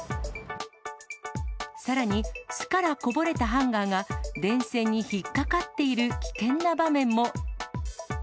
さらに、巣からこぼれたハンガーが電線に引っ掛かっている危険な場面も。